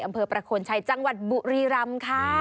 อำเภอประโคนชัยจังหวัดบุรีรำค่ะ